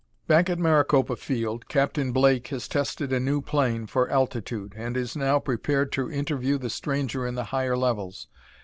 "] Back at Maricopa Field, Captain Blake has tested a new plane for altitude, and is now prepared to interview the stranger in the higher levels.